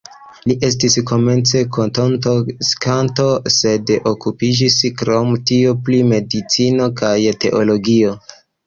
Li estis komence koton-teksanto, sed okupiĝis krom tio pri medicino kaj teologio.